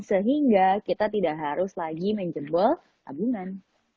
sehingga kita tidak harus lagi menjebol tabungan